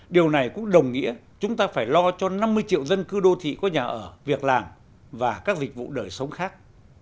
điều này cũng đồng nghĩa chúng ta phải lo cho năm mươi triệu dân cư đô thị có nhà ở việc làm và các dịch vụ đời sống khác